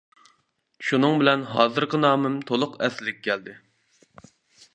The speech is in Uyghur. شۇنىڭ بىلەن ھازىرقى نامىم تۇلۇق ئەسلىگە كەلدى.